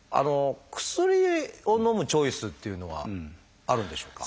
薬をのむチョイスっていうのはあるんでしょうか？